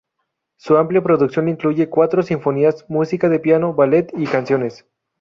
Su amplia producción incluye cuatro sinfonías, música de piano, ballet y canciones.